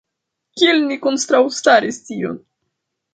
Kiel ni kontraŭstaris tion?